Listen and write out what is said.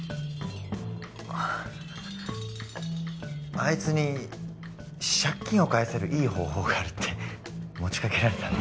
あいつに借金を返せるいい方法があるって持ちかけられたんだ